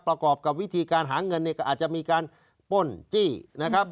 ประกอบกับวิธีการหาเงินเนี่ยก็อาจจะมีการป้นจี้นะครับ